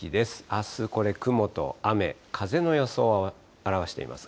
あす、これ、雲と雨、風の予想を表しています。